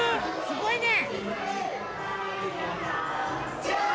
すごいね。